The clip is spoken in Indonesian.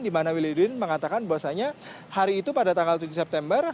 dimana wil yudin mengatakan bahwasannya hari itu pada tanggal tujuh september